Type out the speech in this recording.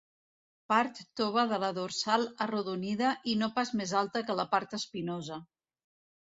Part tova de la dorsal arrodonida i no pas més alta que la part espinosa.